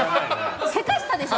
せかしたでしょ